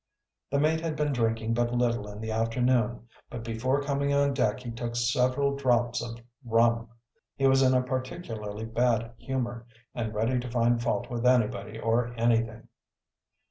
The mate had been drinking but little in the afternoon, but before coming on deck he took several draughts of rum. He was in a partiallarly bad humor and ready to find fault with anybody or anything.